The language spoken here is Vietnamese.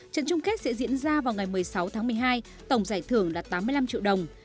trận chung kết sẽ diễn ra vào ngày một mươi sáu tháng một mươi hai tổng giải thưởng là tám mươi năm triệu đồng